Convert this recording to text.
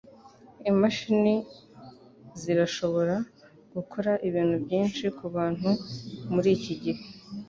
Imashini zirashobora gukora ibintu byinshi kubantu muri iki gihe.